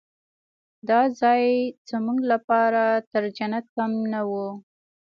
دا ځای زموږ لپاره تر جنت کم نه و.